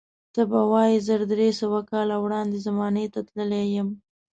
ته به وایې زر درې سوه کاله وړاندې زمانې ته تللی یم.